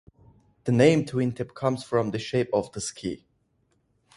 The name "twin-tip" comes from the shape of the ski.